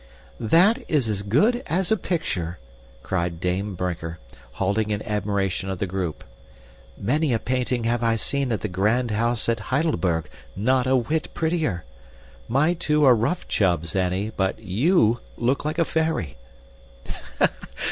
"That is as good as a picture!" cried Dame Brinker, halting in admiration of the group. "Many a painting have I seen at the grand house at Heidelberg not a whit prettier. My two are rough chubs, Annie, but YOU look like a fairy."